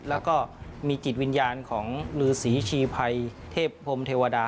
แล้วก็มีจิตวิญญาณของฤษีชีภัยเทพพรมเทวดา